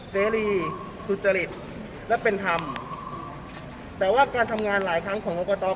เสรีสุจริตและเป็นธรรมแต่ว่าการทำงานหลายครั้งของกรกต